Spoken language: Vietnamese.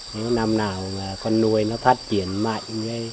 nếu năm nào con nuôi nó phát triển mạnh